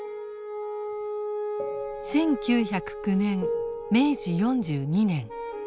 １９０９年明治４２年。